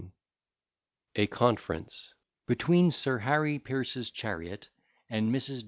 ] A CONFERENCE BETWEEN SIR HARRY PIERCE'S CHARIOT, AND MRS.